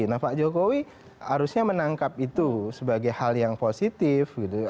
nah pak jokowi harusnya menangkap itu sebagai hal yang positif gitu